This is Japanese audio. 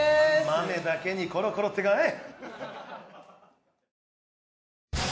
豆だけにコロコロってかい！